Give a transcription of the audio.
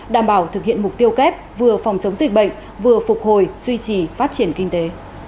đảm bảo thực hiện mục tiêu kép vừa phòng chống dịch bệnh vừa phục hồi duy trì phát triển kinh tế